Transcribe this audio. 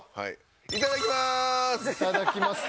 いただきまーす。